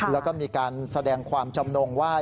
แล้วก็มีการแสดงความจำนงว่า